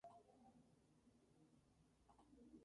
Los elementos de control y los asientos eran retráctiles.